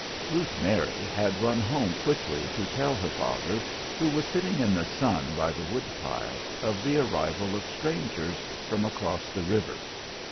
Ruth Mary had run home quickly to tell her father, who was sitting in the sun by the wood pile, of the arrival of strangers from across the river.